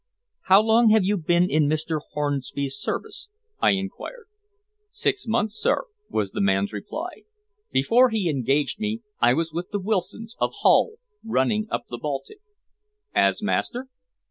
"How long have you been in Mr. Hornby's service?" I inquired. "Six months, sir," was the man's reply. "Before he engaged me, I was with the Wilsons, of Hull, running up the Baltic." "As master?"